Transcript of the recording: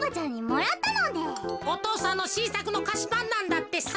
お父さんのしんさくのかしパンなんだってさ。